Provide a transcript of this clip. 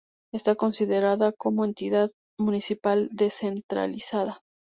Está considerada como entidad municipal descentralizada.